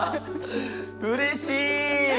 うれしい！